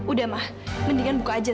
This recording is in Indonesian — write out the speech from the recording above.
udah mah mendingan buka aja